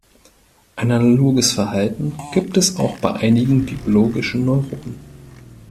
Ein analoges Verhalten gibt es auch bei einigen biologischen Neuronen.